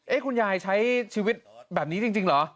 คุณยายใช้ชีวิตแบบนี้จริงเหรอ